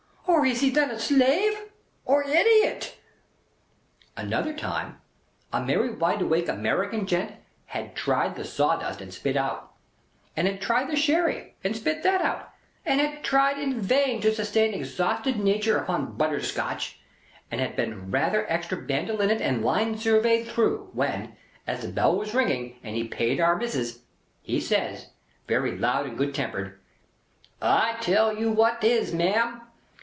Or is he then a slave? Or idiot?" Another time, a merry wideawake American gent had tried the sawdust and spit it out, and had tried the Sherry and spit that out, and had tried in vain to sustain exhausted natur upon Butter Scotch, and had been rather extra Bandolined and Line surveyed through, when, as the bell was ringing and he paid Our Missis, he says, very loud and good tempered: "I tell Yew what 'tis, ma'arm.